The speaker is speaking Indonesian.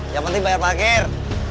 yang penting bayar parkir